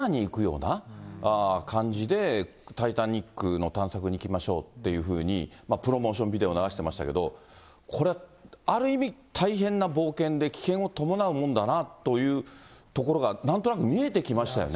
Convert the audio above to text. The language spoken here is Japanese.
太蔵ちゃんね、こうやってさっきのプロモーションビデオを見てても、あたかもレジャーに行くような感じでタイタニックの探索に行きましょうっていうふうに、プロモーションビデオ流してましたけど、これ、ある意味、大変な冒険で、危険を伴うもんだなというところがなんとなく見えてきましたよね。